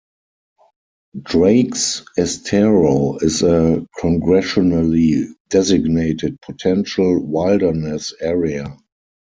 Drakes Estero is a Congressionally-designated potential wilderness area.